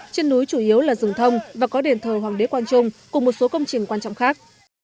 trên núi chủ yếu là rừng thông và có đền thờ hoàng đế quang trung cùng một số công trình quan trọng khác